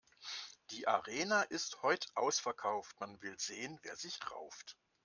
Die Arena ist heut' ausverkauft, man will sehen, wer sich rauft.